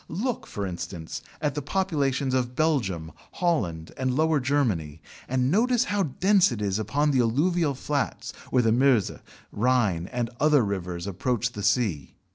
Look, for instance, at the population of Belgium, Holland, and Lower Germany, and notice how dense it is upon the alluvial flats where the Meuse, Rhine, and other rivers approach the sea.